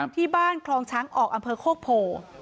ที่บ้านคลองช้างออกอำเภอโคกโพ